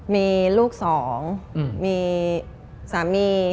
มีลูกสองมีสามี